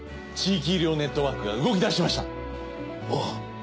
地域医療ネットワークが動きだしました。